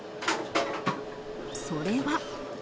それは。